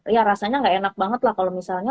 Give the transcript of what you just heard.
ya rasanya nggak enak banget lah kalau misalnya